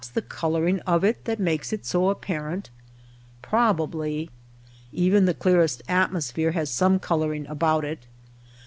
the coloring of it that makes it so apparent ? Probably. Even the clearest atmosphere has some coloring about it.